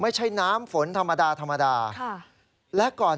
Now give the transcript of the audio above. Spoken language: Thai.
ไม่ใช่น้ำฝนธรรมดา